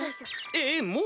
えっもう！？